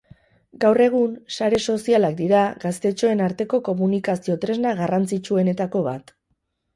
Gaur egun, sare sozialak dira gaztetxoen ateko komunikazio tresna garrantzitsuenetako bat.